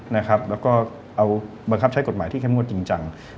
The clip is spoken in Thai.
แล้วก็บังคับใช้กฎหมายที่แค่งว่าจริงจัง